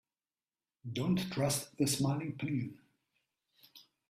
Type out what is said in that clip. Don't trust the smiling penguin.